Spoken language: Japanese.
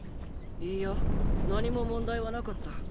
いいや何も問題はなかった。